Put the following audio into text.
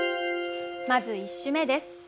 まず１首目です。